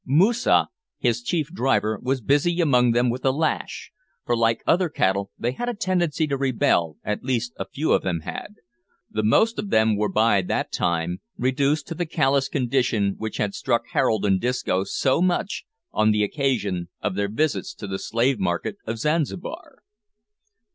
Moosa, his chief driver, was busy among them with the lash, for, like other cattle, they had a tendency to rebel, at least a few of them had; the most of them were by that time reduced to the callous condition which had struck Harold and Disco so much on the occasion of their visits to the slave market of Zanzibar.